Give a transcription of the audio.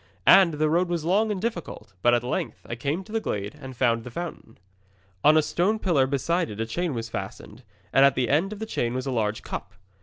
And the road was long and difficult; but at length I came to the glade and found the fountain. On a stone pillar beside it a chain was fastened, and at the end of the chain was a large cup.